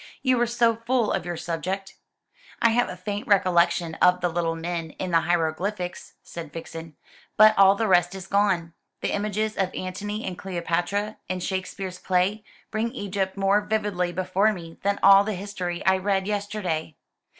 You were so full of your subject." "I have a faint recollection of the little men in the hieroglyphics," said Vixen; "but all the rest is gone. The images of Antony and Cleopatra, in Shakespeare's play, bring Egypt more vividly before me than all the history I read yesterday."